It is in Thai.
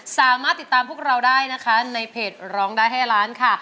สามารถติดตามพวกเราได้นะคะในเพจร้องได้ให้ล้านค่ะ